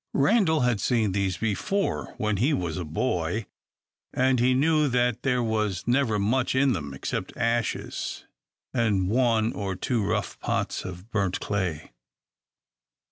Randal had seen these before, when he was a boy, and he knew that there was never much in them, except ashes and one or two rough pots of burnt clay.